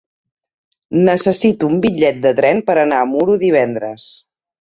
Necessito un bitllet de tren per anar a Muro divendres.